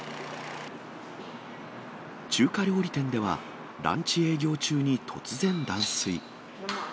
中華料理店では、ランチ営業中に突然断水。